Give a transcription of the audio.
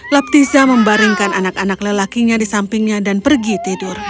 laptiza membaringkan anak anak lelakinya di sampingnya dan pergi tidur